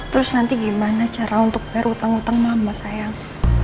terus nanti gimana cara untuk bayar utang utang mama sayang